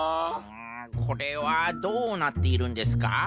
んこれはどうなっているんですか？